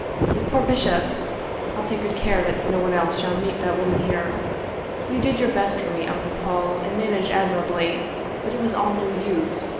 The poor bishop I I'll take good care that no one else shall meet that woman here. You did your best for me, Uncle Paul, and managed admirably, but it was all no use.